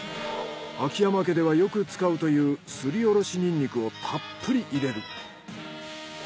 秋山家ではよく使うというすりおろしニンニクをたっぷり入れる。